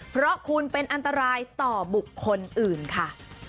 เพราะคุณเป็นอันตรายต่อบุคคลอื่นค่ะ